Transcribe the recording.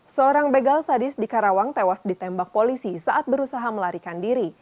seorang begal sadis di karawang tewas ditembak polisi saat berusaha melarikan diri